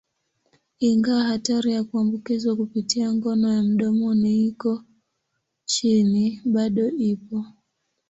Ingawa hatari ya kuambukizwa kupitia ngono ya mdomoni iko chini, bado ipo.